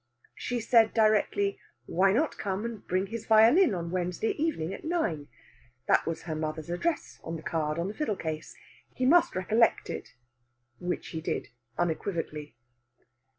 She said directly, why not come and bring his violin on Wednesday evening at nine? That was her mother's address on the card on the fiddle case. He must recollect it which he did unequivocally.